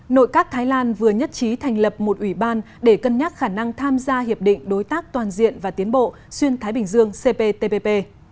nội các thái lan vừa nhất trí thành lập một ủy ban để cân nhắc khả năng tham gia hiệp định đối tác toàn diện và tiến bộ xuyên thái bình dương cptpp